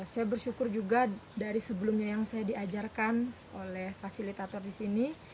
saya bersyukur juga dari sebelumnya yang saya diajarkan oleh fasilitator di sini